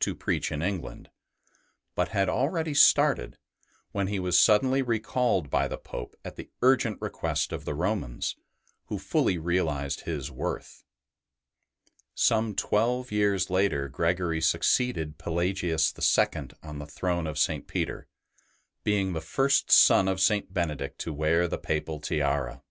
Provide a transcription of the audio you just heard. to preach in England, but had already started, when he was suddenly recalled by the Pope at the urgent request of the Rom^ans, who fully realized his worth. Some twelve years later Gregory succeeded Pelagius IL on the throne of St. Peter, being the first son of St. Benedict to wear the Papal tiara.